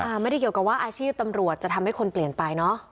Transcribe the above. ไม่ได้เกี่ยวกับว่าอาชีพตำรวจจะทำให้คนเปลี่ยนไปเนอะ